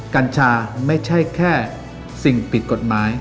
กัญชาไม่ใช่แค่สิ่งผิดกฎหมาย